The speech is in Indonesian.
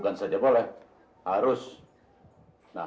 menjadi kemampuan anda